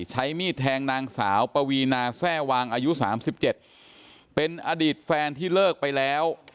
ใช้มีดแทงนางสาวปวีนาแทร่วางอายุ๓๗เป็นอดีตแฟนที่เลิกไปแล้ว